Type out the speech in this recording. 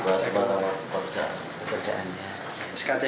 bukan ada pekerjaannya